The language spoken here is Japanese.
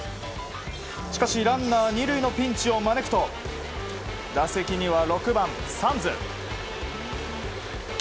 しかし、ランナー２塁のピンチを招くと打席には６番、サンズ。